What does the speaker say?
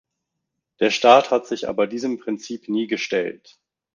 Der Staat hat sich aber diesem Prinzip nie gestellt.